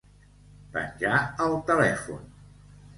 Penjar el telèfon.